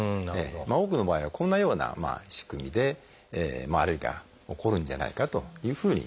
多くの場合はこんなような仕組みでアレルギーが起こるんじゃないかというふうに考えられています。